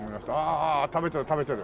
あ食べてる食べてる。